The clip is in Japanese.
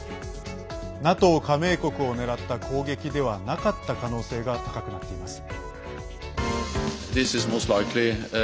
加盟国を狙った攻撃ではなかった可能性が高くなっています。